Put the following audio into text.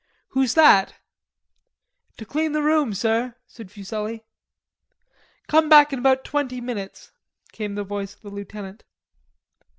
"Who's that?" "To clean the room, sir," said Fuselli. "Come back in about twenty minutes," came the voice of the lieutenant.